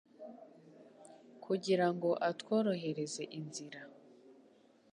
kugira ngo atworohereze inzira.